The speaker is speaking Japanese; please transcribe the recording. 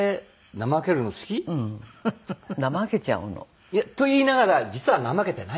怠けちゃうの。と言いながら実は怠けてないんですよ。